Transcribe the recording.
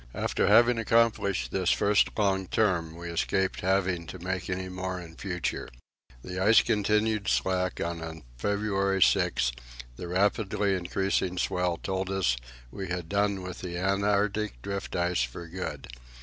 After having accomplished this first long turn, we escaped having to make any more in future. The ice continued slack, and on February 6 the rapidly increasing swell told us that we had done with the Antarctic drift ice for good.